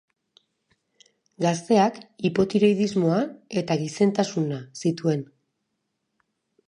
Gazteak hipotiroidismoa eta gizentasuna zituen.